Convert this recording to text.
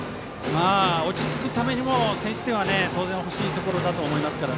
落ち着くためにも先取点は当然、欲しいところだと思います。